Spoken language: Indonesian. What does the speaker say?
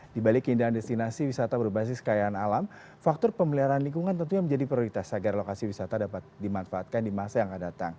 di balik keindahan destinasi wisata berbasis kekayaan alam faktor pemeliharaan lingkungan tentunya menjadi prioritas agar lokasi wisata dapat dimanfaatkan di masa yang akan datang